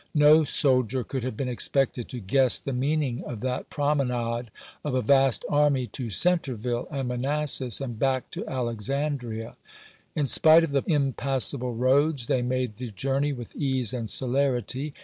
No soldier could have been expected to guess the meaning of that promenade of a vast army to Centreville and Manassas, and back to Alexandria. In spite of the " impassable roads," they made the journey with ease and celerity.